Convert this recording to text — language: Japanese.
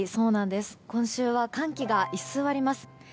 今週は寒気が居座ります。